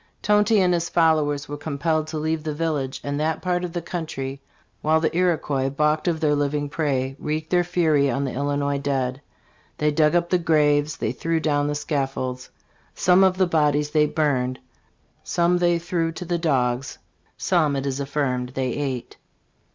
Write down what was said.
Tonty and his followers were compelled to leave the village and that part of the country, while the Iroquois, balked of their living prey, "wreaked their fury on the Illinois dead. They dug up the graves, they threw down the scaffolds. Some of the bodies they burned ; some they threw n'AKKMAN :" La Salle," etc., 207 ft THE IROQUOIS RAID. 2J to the dogs ; some, it is affirmed, they ate.